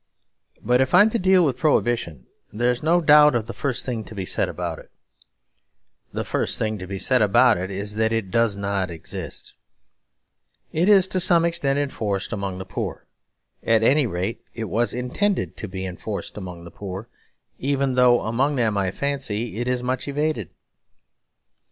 But if I am to deal with Prohibition, there is no doubt of the first thing to be said about it. The first thing to be said about it is that it does not exist. It is to some extent enforced among the poor; at any rate it was intended to be enforced among the poor; though even among them I fancy it is much evaded.